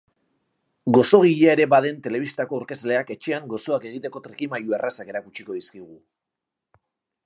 Gozogilea ere baden telebistako aurkezleak etxean gozoak egiteko trikimailu errazak erakutsiko dizkigu.